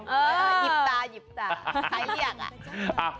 เออหยิบตาใครเรียกอะ